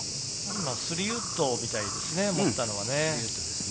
３ウッドみたいですね、持ったのはね。